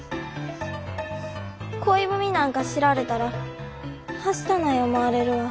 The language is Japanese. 恋文なんか知られたらはしたない思われるわ。